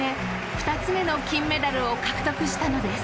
２つ目の金メダルを獲得したのです。